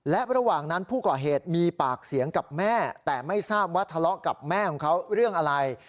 และระหว่างนั้นผู้ก่อเหตุมีปากเสียงกับแม่แต่ไม่ทราบว่าทะเลาะกับแม่ของเขาเรื่องอะไร